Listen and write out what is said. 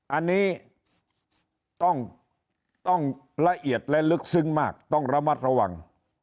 อันนี้ต้องละเอียดและลึกซึ้งมากต้องระมัดระวัง